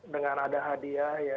dengan ada hadiah ya